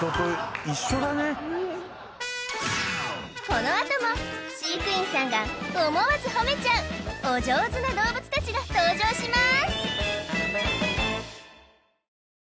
このあとも飼育員さんが思わず褒めちゃうお上手な動物たちが登場します